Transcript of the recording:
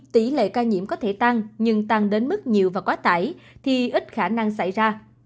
tỷ lệ ca nhiễm có thể tăng nhưng tăng đến mức nhiều và quá tải thì ít khả năng xảy ra